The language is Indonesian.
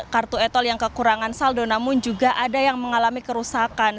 kartu etol yang kekurangan saldo namun juga ada yang mengalami kerusakan